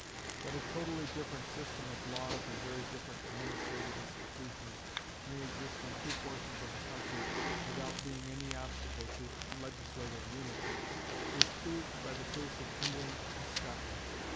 That a totally different system of laws and very different administrative institutions may exist in two portions of a country without being any obstacle to legislative unity, is proved by the case of England and Scotland.